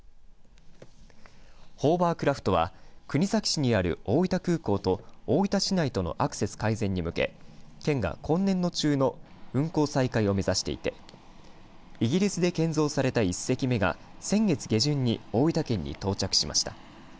ホーバークラフトは国東市にある大分空港と大分市内とのアクセス改善に向け県は今年度中の運航再開を目指していてイギリスで建造された１隻目が先月下旬に大分県に到着しました。